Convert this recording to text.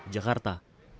eko budi jakarta